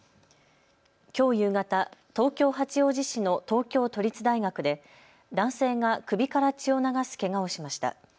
きょう夕方、東京八王子市の東京都立大学で男性が首から血を流すけがをしました。